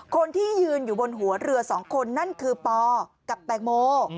คนที่ยืนอยู่บนหัวเรือสองคนนั่นคือปอกับแตงโม